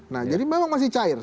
nah jadi memang masih cair